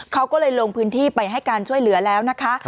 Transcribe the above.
เขาก็เลยลงพื้นที่ไปให้การช่วยเหลือแล้วนะคะ